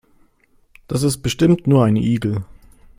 Das ist bestimmt nur ein Igel.